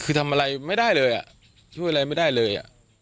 คือทำอะไรไม่ได้เลยอ่ะช่วยอะไรไม่ได้เลย